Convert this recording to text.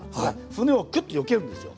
船をキュッとよけるんですよ。